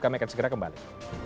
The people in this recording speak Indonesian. kami akan segera kembali